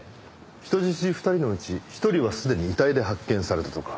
人質２人のうち１人はすでに遺体で発見されたとか。